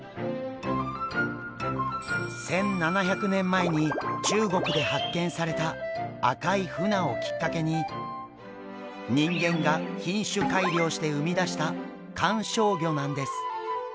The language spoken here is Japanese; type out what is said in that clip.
１７００年前に中国で発見された赤いフナをきっかけに人間が品種改良して生み出した観賞魚なんです。